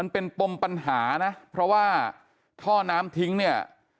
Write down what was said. เป็นปมปัญหานะเพราะว่าท่อน้ำทิ้งเนี่ย